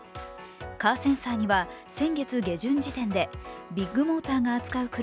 カーセンサーには、先月下旬時点でビッグモーターが扱う車